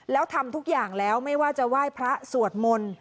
แล้วทำทุกอย่างแล้วไม่ว่าจะไหว้พระสวดมนต์